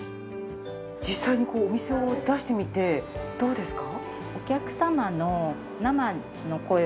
実際にお店を出してみてどうですか？